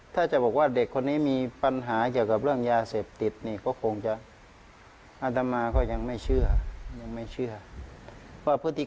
ถ้าจะบอกว่าเด็กคนนี้มีปัญหาเกี่ยวกับเรื่องยาเสพติดนี่